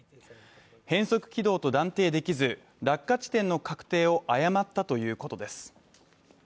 変速軌道と断定できず、落下地点の断定を誤ったということです。